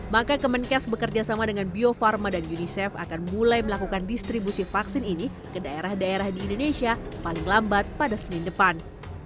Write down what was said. maka kemenkes bekerjasama dengan bio farma dan unicef akan mulai melakukan distribusi vaksin ini ke daerah daerah di indonesia paling lambat pada senin depan